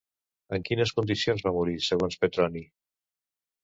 En quines condicions va morir, segons Petroni?